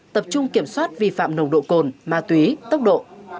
tập trung kiểm soát vi phạm nồng độ cồn ma túy tốc độ